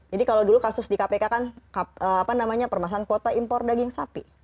jadi kalau dulu kasus di kpk kan permasalahan kuota impor daging sapi